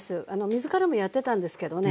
水からもやってたんですけどね